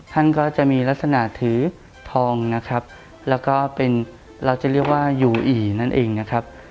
ท่านก็จะมีลักษณะถือทองนะครับแล้วก็เป็นเราจะเรียกว่ายูอีนั่นเองนะครับ